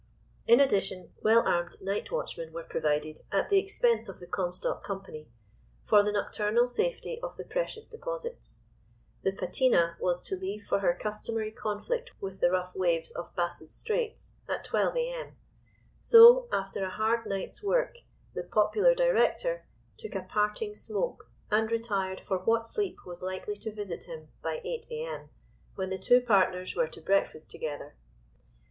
In addition well armed night watchmen were provided at the expense of the Comstock Company for the nocturnal safety of the precious deposits. The Pateena was to leave for her customary conflict with the rough waves of Bass's Straits at 12 a.m. So, after a hard night's work, the "popular director" took a parting smoke and retired for what sleep was likely to visit him by 8 a.m., when the two partners were to breakfast together.